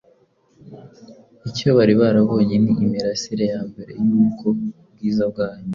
Icyo bari barabonye ni imirasire ya mbere y’ubwo bwiza bwayo.